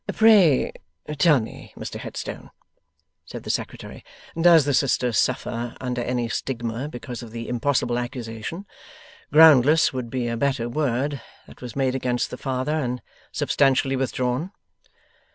'Pray tell me, Mr Headstone,' said the Secretary. 'Does the sister suffer under any stigma because of the impossible accusation groundless would be a better word that was made against the father, and substantially withdrawn?